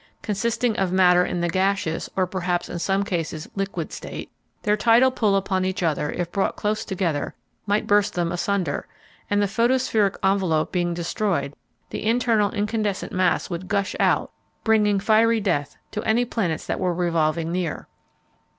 Consisting of matter in the gaseous, or perhaps, in some cases, liquid, state, their tidal pull upon each other if brought close together might burst them asunder, and the photospheric envelope being destroyed the internal incandescent mass would gush out, bringing fiery death to any planets that were revolving near.